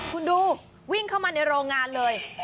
คุณดูวิ่งเข้ามาในโรงงานเลย